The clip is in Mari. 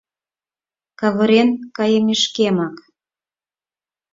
Каварен кайымешкемак...